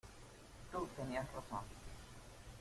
Tú tenías razón.